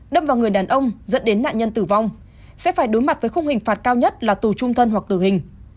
đâm vào người đàn ông dẫn đến nạn nhân tử vong sẽ phải đối mặt với khung hình phạt cao nhất là tù trung thân hoặc tử hình